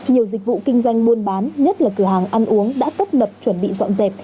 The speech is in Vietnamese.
nhiều dịch vụ kinh doanh buôn bán nhất là cửa hàng ăn uống đã tấp nập chuẩn bị dọn dẹp